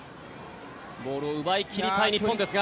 ボールを奪い切りたい日本ですが。